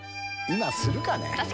今するかね？